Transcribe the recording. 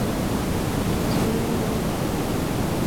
چینّے